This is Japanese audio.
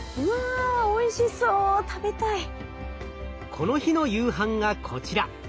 この日の夕飯がこちら。